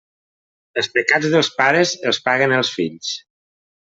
Els pecats dels pares els paguen els fills.